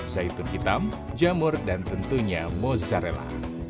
zaitun hitam jamur dan tentunya mozzarella